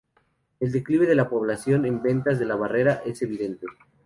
El declive de la población en Ventas de la Barrera es evidente.